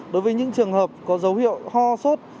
đối với những trường hợp có dấu hiệu ho sốt